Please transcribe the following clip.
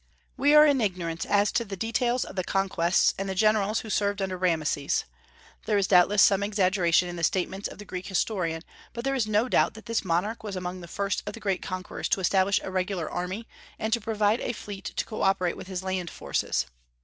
We are in ignorance as to the details of the conquests and the generals who served under Rameses. There is doubtless some exaggeration in the statements of the Greek historian, but there is no doubt that this monarch was among the first of the great conquerors to establish a regular army, and to provide a fleet to co operate with his land forces.